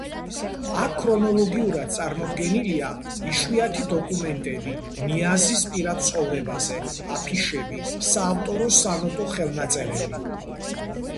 აქ ქრონოლოგიურად წარმოდგენილია იშვიათი დოკუმენტები ნიაზის პირად ცხოვრებაზე, აფიშები, საავტორო სანოტო ხელნაწერები.